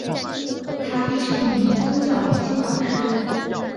她亦是一名宗教灵修导师。